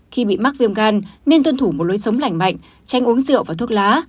khi bị mắc viêm gan nên tuân thủ một lối sống lành mạnh tránh uống rượu và thuốc lá